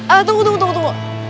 ah tunggu tunggu tunggu